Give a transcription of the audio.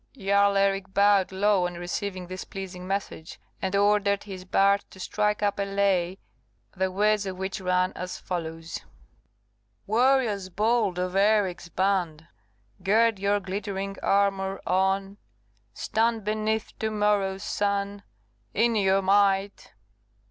Jarl Eric bowed low on receiving this pleasing message; and ordered his bards to strike up a lay, the words of which ran as follows: "Warriors bold of Eric's band, Gird your glittering armour on, Stand beneath to morrow's sun, In your might.